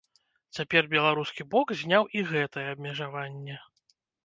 Цяпер беларускі бок зняў і гэтае абмежаванне.